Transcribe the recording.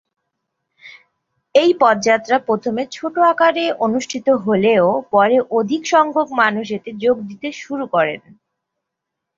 এই পদযাত্রা প্রথমে ছোটো আকারে অনুষ্ঠিত হলেও পরে অধিক সংখ্যক মানুষ এতে যোগ দিতে শুরু করেন।